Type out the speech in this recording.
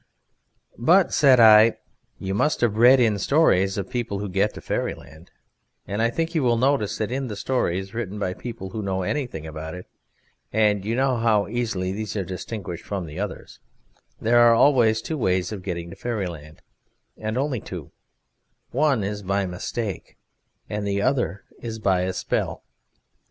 "But," said I, "you must have read in stories of people who get to Fairyland, and I think you will notice that in the stories written by people who know anything about it (and you know how easily these are distinguished from the others) there are always two ways of getting to Fairyland, and only two: one is by mistake, and the other is by a spell.